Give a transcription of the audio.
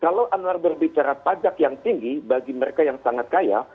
kalau anwar berbicara pajak yang tinggi bagi mereka yang sangat kaya